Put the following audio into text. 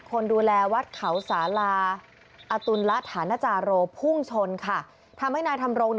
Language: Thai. คนดูแลวัดเขาสาลาอตุลละฐานจาโรพุ่งชนค่ะทำให้นายธรรมรง